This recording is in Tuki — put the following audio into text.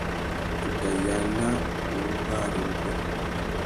Tu tà mà yāna u wú bari wubê.